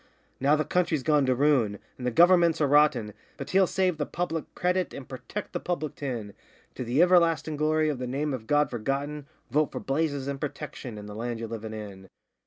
Now the country's gone to ruin, and the Governments are rotten, But he'll save the public credit and purtect the public tin; To the iverlastin' glory of the name of God Forgotten Vote for Blazes and Protection, and the land ye're livin' in!